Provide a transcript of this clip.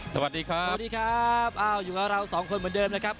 สวัสดีครับสวัสดีครับอ้าวอยู่กับเราสองคนเหมือนเดิมนะครับ